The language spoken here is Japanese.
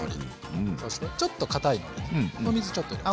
そしてちょっとかたいのでお水ちょっと入れましょう。